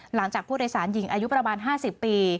หลังจากผู้โดยสารหญิงอายุประมาณ๕๐ปี